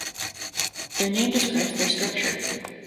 Their name describes their structure.